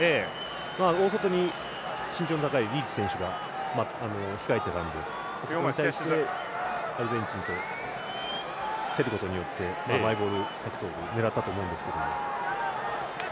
大外に身長の高いリーチ選手が控えていたのでそこをめがけてアルゼンチンと競ることによってマイボールを狙ったと思うんですけど。